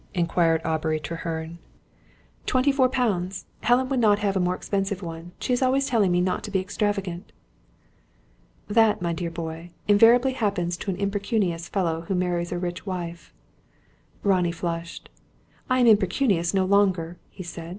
inquired Aubrey Treherne. "Twenty four pounds. Helen would not have a more expensive one. She is always telling me not to be extravagant." "That, my dear boy, invariably happens to an impecunious fellow who marries a rich wife." Ronnie flushed. "I am impecunious no longer," he said.